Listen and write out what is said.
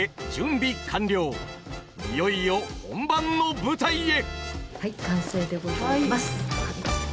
いよいよ本番の舞台へ！